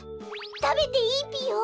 たべていいぴよ？